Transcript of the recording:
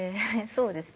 そうですね。